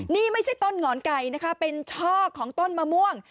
นี่ไม่ใช่ต้นหอนไก่นะคะเป็นช่อของต้นมะม่วง